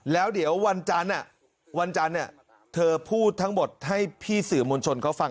แล้วเดี๋ยววันจันทร์วันจันทร์เธอพูดทั้งหมดให้พี่สื่อมวลชนเขาฟัง